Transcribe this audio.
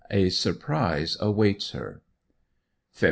A SURPRISE AWAITS HER Feb.